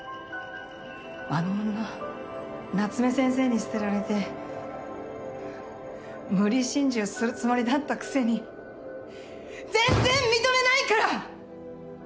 あの女夏目先生に捨てられて無理心中するつもりだったくせに全然認めないから！